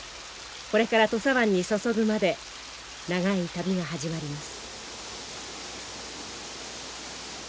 これから土佐湾に注ぐまで長い旅が始まります。